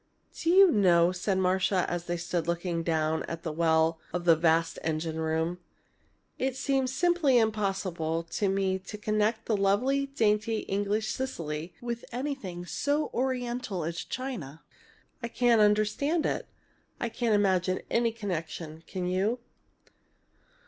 "Do you know," said Marcia, as they stood looking down into the well of the vast engine room, "it seems simply impossible to me to connect lovely, dainty, English Cecily with anything so oriental as China. I can't understand it. I can't imagine any connection. Can you?"